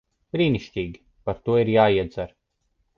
Brīnišķīgi. Par to ir jāiedzer.